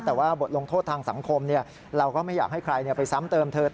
แต่ว่าบทลงโทษทางสังคมเราก็ไม่อยากให้ใครไปซ้ำเติมเธอ